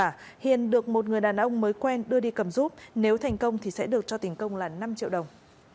hiền được một người đàn ông mới quen đưa đi cầm giúp nếu thành công thì sẽ được cho tiền công là năm triệu đồng